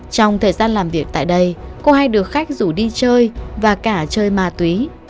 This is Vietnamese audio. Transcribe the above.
trong thời gian làm việc tại đây cô hay được khách rủ đi chơi và cả chơi ma túy